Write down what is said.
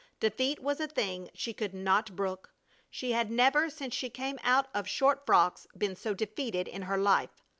Defeat was a thing she could not brook. She had never, since she came out of short frocks, been so defeated in her life!